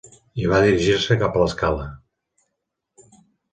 I va dirigir-se cap a l"escala.